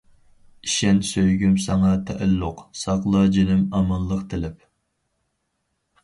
ئىشەن سۆيگۈم ساڭا تەئەللۇق، ساقلا جىنىم ئامانلىق تىلەپ.